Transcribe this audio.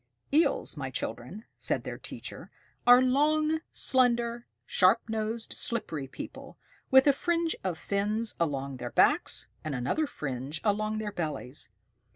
"Eels, my children," said their teacher, "are long, slender, sharp nosed, slippery people, with a fringe of fins along their backs, and another fringe along their bellies.